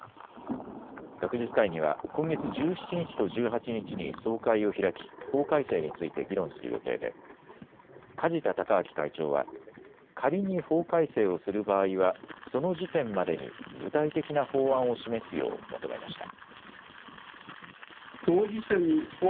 学術会議は今月１７日と１８日に総会を開き、法改正について議論する予定で、梶田隆章会長は、仮に法改正をする場合は、その時点までに具体的な法案を示すよう求めました。